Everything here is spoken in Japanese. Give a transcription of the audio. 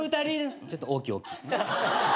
ちょっと大きい大きい。